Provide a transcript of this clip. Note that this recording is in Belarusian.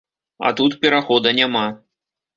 А тут перахода няма.